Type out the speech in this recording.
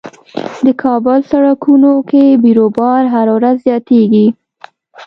د کابل سړکونو کې بیروبار هر ورځ زياتيږي.